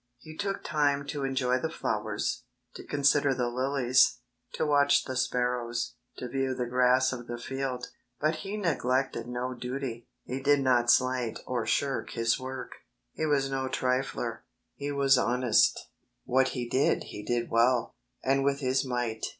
He took time to enjoy the flowers, to consider the lilies, to watch the sparrows, to view the grass of the field. But He neglected no duty ; He did not slight or shirk His work ; He was no trifler ; He was honest ; what HOLINESS AND DUTY 79 He did He did well, and with His might.